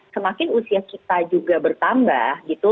semakin usia kita juga bertambah gitu